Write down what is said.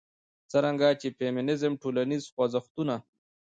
څرنګه چې د فيمنيزم ټولنيز خوځښتونه